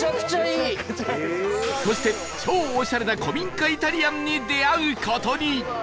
そして超オシャレな古民家イタリアンに出会う事に